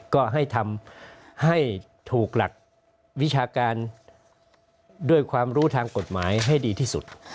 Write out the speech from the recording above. ก็ให้ทำให้ถูกหลักวิชาการด้วยความรู้ทางกฎหมายให้ดีที่สุด